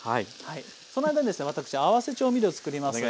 その間にですね私合わせ調味料を作ります。